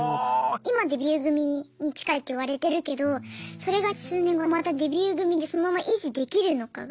今デビュー組に近いって言われてるけどそれが数年後またデビュー組でそのまま維持できるのかが。